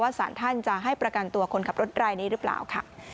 สารท่านจะให้ประกันตัวคนขับรถรายนี้หรือเปล่าค่ะ